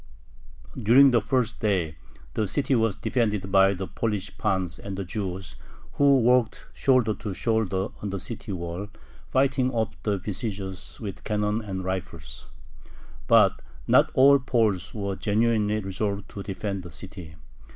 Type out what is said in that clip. During the first day the city was defended by the Polish pans and the Jews, who worked shoulder to shoulder on the city wall, fighting off the besiegers with cannon and rifles. But not all Poles were genuinely resolved to defend the city.